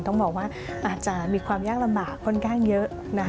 ต้องบอกว่าอาจจะมีความยากลำบากค่อนข้างเยอะนะคะ